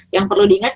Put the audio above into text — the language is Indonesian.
yang perlu diingat